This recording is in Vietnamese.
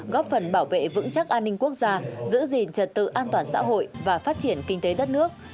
góp phần bảo vệ vững chắc an ninh quốc gia giữ gìn trật tự an toàn xã hội và phát triển kinh tế đất nước